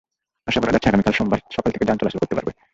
আশা করা যাচ্ছে, আগামীকাল রোববার সকাল থেকে যান চলাচল করতে পারবে।